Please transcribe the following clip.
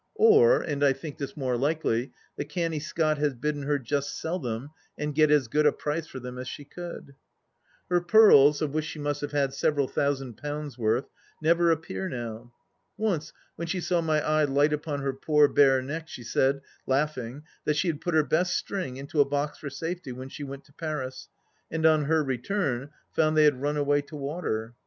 Or, and I think this more likely, the canny Scot has bidden her just sell them and get as good a price for them as she could ! Her pearls, of which she must have had several thousand pounds' worth, never appear now. Once when she saw my eye light upon her poor bare neck, she said, laughing, that she had put her best string into a box for safety when she went to Paris, and on her return found they had run away to water.